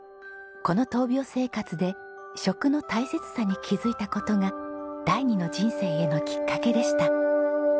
この闘病生活で食の大切さに気づいた事が第二の人生へのきっかけでした。